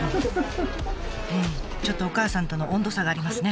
うんちょっとお母さんとの温度差がありますね